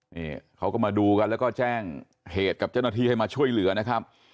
นี่เขาก็มาดูแล้วก็แจ้งเหตุกับจนฐฐีให้มาช่วยเหลือนะครับ